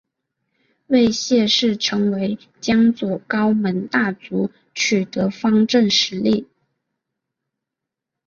为谢氏成为江左高门大族取得方镇实力。